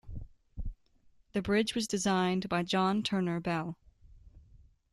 The bridge was designed by John Turner Bell.